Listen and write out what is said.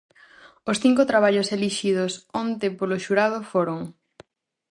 Os cinco traballos elixidos onte polo xurado foron.